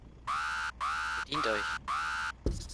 Bedient euch!